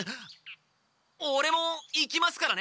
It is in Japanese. オレも行きますからね